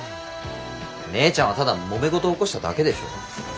姉ちゃんはただ揉め事起こしただけでしょ。